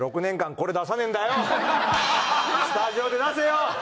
スタジオで出せよ！